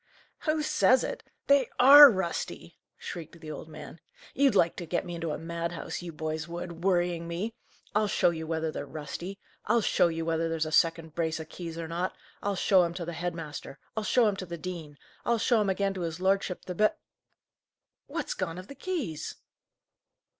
"Who says it! They are rusty!" shrieked the old man. "You'd like to get me into a madhouse, you boys would, worrying me! I'll show you whether they're rusty! I'll show you whether there's a second brace o' keys or not. I'll show 'em to the head master! I'll show 'em to the dean! I'll show 'em again to his lordship the bi What's gone of the keys?"